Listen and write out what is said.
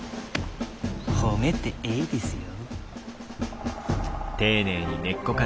褒めてえいですよ。